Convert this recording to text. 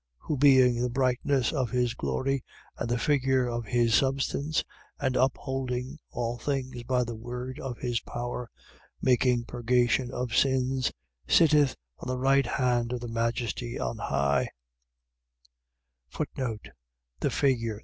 1:3. Who being the brightness of his glory and the figure of his substance and upholding all things by the word of his power, making purgation of sins, sitteth on the right hand of the majesty on high: The figure.